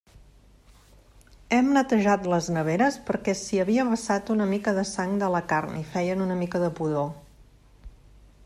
Hem netejat les neveres perquè s'hi havia vessat una mica de sang de la carn i feien una mica de pudor.